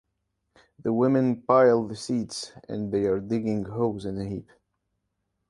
The women pile the seeds and their digging hoes in a heap.